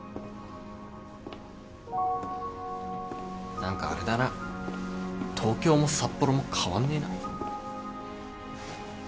何かあれだな東京も札幌も変わんねえな。